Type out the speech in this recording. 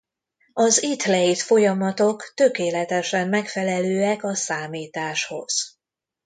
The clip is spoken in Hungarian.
Az itt leírt folyamatok tökéletesen megfelelőek a számításhoz.